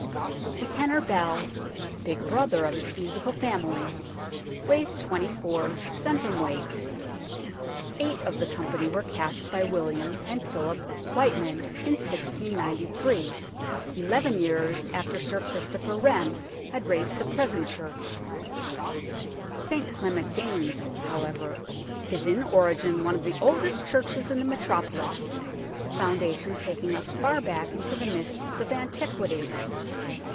The tenor bell, big brother of this musical family, weighs 24 cwt. Eight of the company were cast by William and Philip Wightman in 1693, eleven years after Sir Christopher Wren had raised the present church. St Clement Danes, however, is in origin one of the oldest churches in the metropolis, the foundation taking us far back into the mists of antiquity.